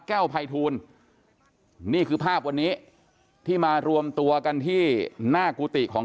ภัยทูลนี่คือภาพวันนี้ที่มารวมตัวกันที่หน้ากุฏิของ